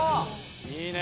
いいね！